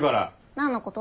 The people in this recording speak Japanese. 何のこと？